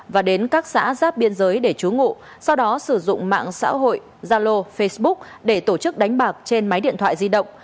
và đến các xã giáp biên giới để trú ngụ sau đó sử dụng mạng xã hội zalo facebook để tổ chức đánh bạc trên máy điện thoại di động